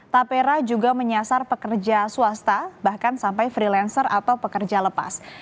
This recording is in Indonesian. tapera juga menyasar pekerja swasta bahkan sampai freelancer atau pekerja lepas